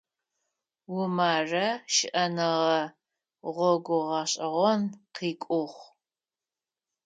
Умарэ щыӀэныгъэ гъогу гъэшӀэгъон къыкӀугъ.